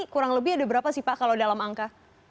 kurang lebih ada berapa sih pak kalau dalam angka